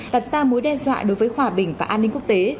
đặt ra mối đe dọa đối với hòa bình và an ninh quốc tế